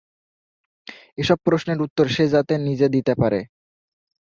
এসব প্রশ্নের উত্তর সে যাতে নিজে দিতে পারে।